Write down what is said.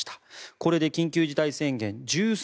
これで緊急事態宣言１３